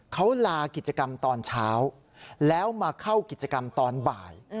เขาลากิจกรรมตอนเช้าแล้วมาเข้ากิจกรรมตอนบ่าย